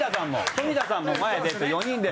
富田さんも前に出て４人で。